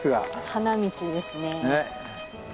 花道ですね。